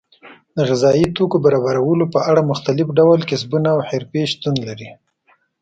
د غذایي توکو برابرولو په اړه مختلف ډول کسبونه او حرفې شتون لري.